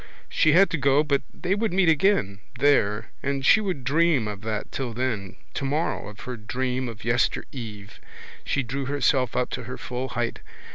She had to go but they would meet again, there, and she would dream of that till then, tomorrow, of her dream of yester eve. She drew herself up to her full height.